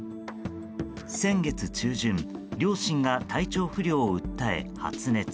先月中旬、両親が体調不良を訴え発熱。